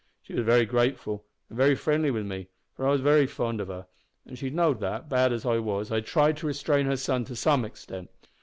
She was very grateful, and very friendly wi' me, for I was very fond of her, and she know'd that, bad as I was, I tried to restrain her son to some extent.